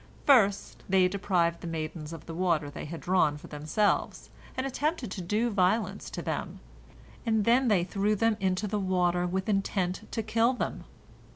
First they deprived the maidens of the water they had drawn for themselves, and attempted to do violence to them, and then they threw them into the water with intent to kill them.